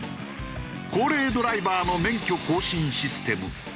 高齢ドライバーの免許更新システム。